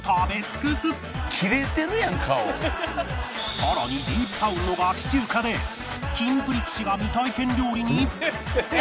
さらにディープタウンのガチ中華でキンプリ岸が未体験料理に